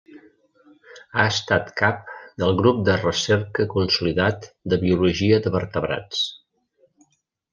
Ha estat cap del Grup de Recerca consolidat de Biologia de Vertebrats.